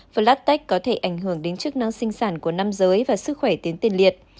flatex có thể ảnh hưởng đến chức năng sinh sản của năm giới và sức khỏe tiến tiền liệt